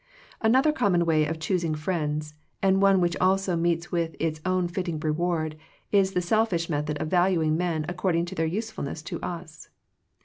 Another common way of choosing friends, and one which also meets with its own fitting reward, is the selfish method of valuing men according to their usefulness to us.